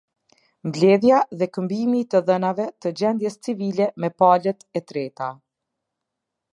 Mbledhja dhe këmbimi i të dhënave të gjendjes civile me palët e treta.